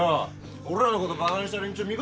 俺らのことバカにした連中見返してやるべ！